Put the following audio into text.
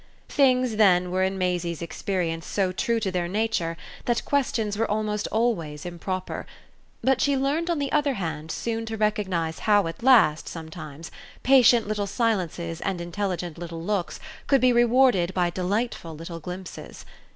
Things then were in Maisie's experience so true to their nature that questions were almost always improper; but she learned on the other hand soon to recognise how at last, sometimes, patient little silences and intelligent little looks could be rewarded by delightful little glimpses.